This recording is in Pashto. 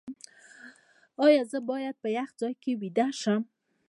ایا زه باید په یخ ځای کې ویده شم؟